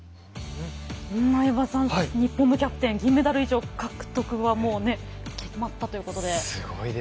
相葉さん、日本のキャプテン銀メダル以上獲得は決まったということで。